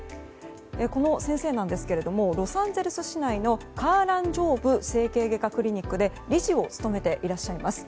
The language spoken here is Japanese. この先生なんですがロサンゼルス市内のカーラン・ジョーブ整形外科クリニックで理事を務めていらっしゃいます。